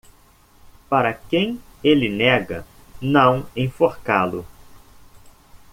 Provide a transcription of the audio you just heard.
Para quem ele nega não enforcá-lo.